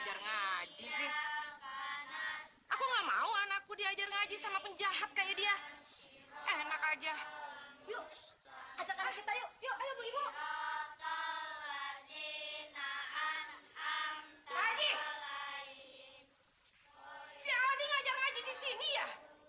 sampai jumpa di video selanjutnya